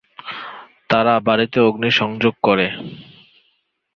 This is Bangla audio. তারা বাড়িতে অগ্নি সংযোগ করে।